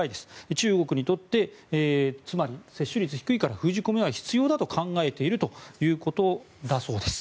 中国にとってつまり、接種率低いから封じ込めは必要だと考えているということだそうです。